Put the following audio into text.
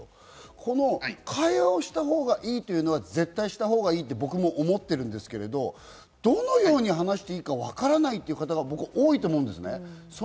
この会話をしたほうがいいというのは絶対したほうがいいと僕も思ってるんですけれども、どのように話していいかわからないって方が多いと思うんです。